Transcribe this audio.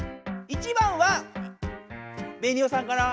１番はベニオさんかな。